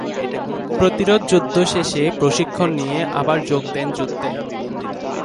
প্রতিরোধযুদ্ধ শেষে প্রশিক্ষণ নিয়ে আবার যোগ দেন যুদ্ধে।